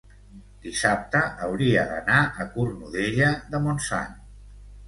dissabte hauria d'anar a Cornudella de Montsant.